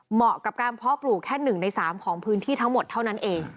เหมาะกับการเพาะปลูกแค่๑ใน๓ของพื้นที่ทั้งหมดเท่านั้นเอง